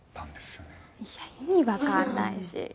いや意味わかんないし。